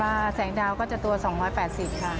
ปลาแสงดาวก็จะตัว๒๘๐บาทค่ะ